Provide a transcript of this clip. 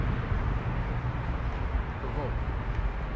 PROVOKE.